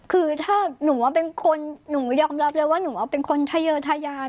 คือถ้าหนูว่าเป็นคนหนูยอมรับเลยว่าหนูเป็นคนทะเยอะทะยาน